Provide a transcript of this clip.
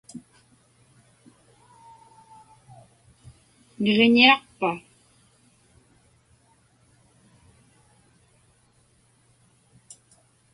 Niġiñiaqpa?